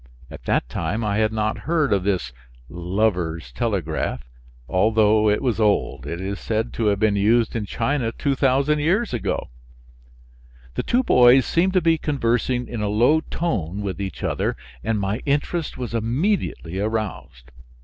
At that time I had not heard of this "lovers' telegraph," although it was old. It is said to have been used in China 2000 years ago. The two boys seemed to be conversing in a low tone with each other and my interest was immediately aroused.